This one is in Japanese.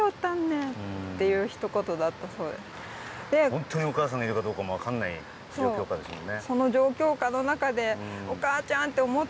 本当にお母さんがいるかどうかも分かんない状況下ですもんね。